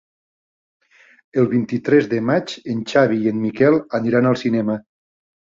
El vint-i-tres de maig en Xavi i en Miquel aniran al cinema.